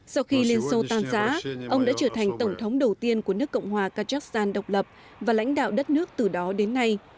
sau khi liên xô tan giã ông đã trở thành tổng thống đầu tiên của nước cộng hòa kazakhstan độc lập và lãnh đạo đất nước từ đó đến nay